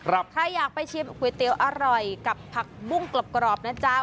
ใครอยากไปชิมก๋วยเตี๋ยวอร่อยกับผักบุ้งกรอบนะจ๊ะ